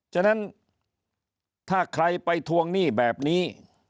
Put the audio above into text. ฉะนั้นถ้าใครไปทวงหนี้แบบนี้